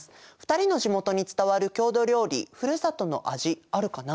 ２人の地元に伝わる郷土料理ふるさとの味あるかな？